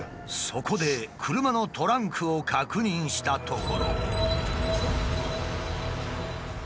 そこで車のトランクを確認したところ。